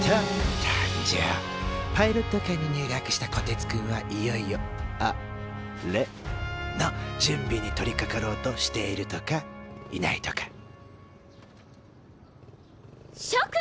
パイロット科に入学したこてつくんはいよいよアレの準備に取りかかろうとしているとかいないとか諸君！